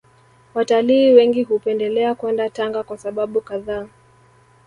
Watalii wengi hupendelea kwenda Tanga kwa sababu kadhaa